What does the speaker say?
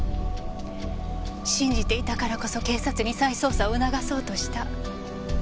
信じていたからこそ警察に再捜査を促そうとした。